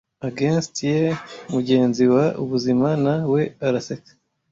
Against ye mugenzi wa ubuzima, na we araseka